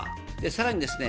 さらにですね